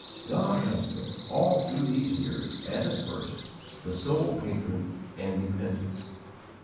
God has been, all through these years, as at first, the sole Patron and Dependence.